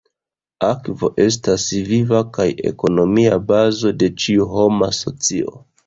Akvo estas viva kaj ekonomia bazo de ĉiu homa socio.